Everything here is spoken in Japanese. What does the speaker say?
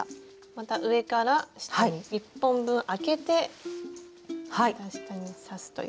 また上から下に１本分あけてまた下に刺すという。